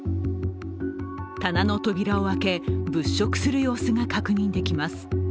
棚の扉を開け、物色する様子が確認できます。